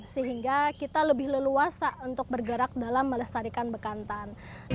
sehingga kita lebih leluasa untuk bergerak dalam melestarikan bekantan